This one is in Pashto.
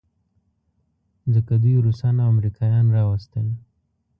ځکه دوی روسان او امریکایان راوستل.